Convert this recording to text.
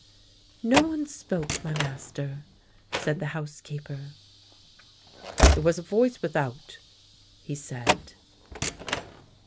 " No one spoke, my master," said the housekeeper. " It was a voice without," he said.